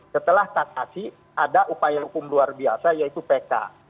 setelah kasasi ada upaya hukum luar biasa yaitu pk